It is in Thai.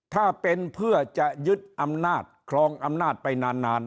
ถ้าเป็นเพื่อจะยึดอำนาจครองอำนาจไปนาน